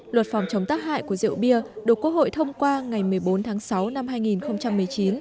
luật phòng chống tác hại của rượu bia được quốc hội thông qua ngày một mươi bốn tháng sáu năm hai nghìn một mươi chín